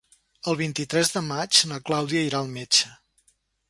El vint-i-tres de maig na Clàudia irà al metge.